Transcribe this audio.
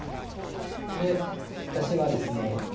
で私はですね